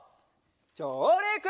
じょうりく！